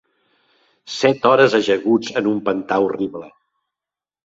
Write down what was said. Set hores ajaguts en un pantà horrible